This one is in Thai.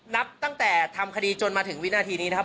นับตั้งแต่ทำคดีจนมาถึงวินาทีนี้นะครับ